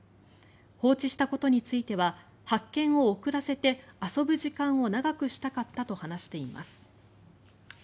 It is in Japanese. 放置したことについては発見を遅らせて遊ぶ時間を長くしたかったと話しています。